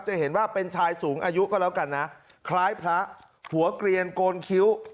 จะเห็นว่าเป็นชายสูงอายุก็แล้วกันนะคล้ายพระหัวเกลียนโกนคิ้ว